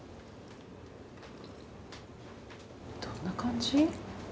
どんな感じ？